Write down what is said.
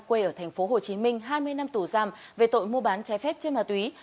quê ở thành phố hồ chí minh hai mươi năm tù giam về tội mua bán trái phép chất ma túy